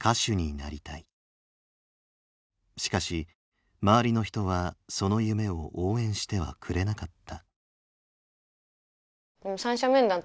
しかし周りの人はその夢を応援してはくれなかった。